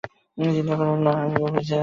চিন্তা কোরো না, ও বেঁচে আছে।